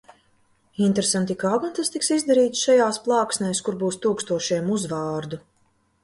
Interesanti, kā gan tas tiks izdarīts šajās plāksnēs, kur būs tūkstošiem uzvārdu.